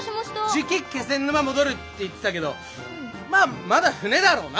じき気仙沼戻るって言ってたけどまあまだ船だろうな。